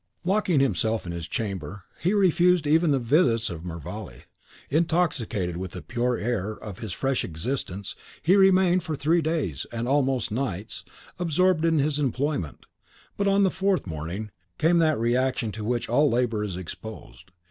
Locking himself in his chamber, he refused even the visits of Mervale. Intoxicated with the pure air of his fresh existence, he remained for three days, and almost nights, absorbed in his employment; but on the fourth morning came that reaction to which all labour is exposed.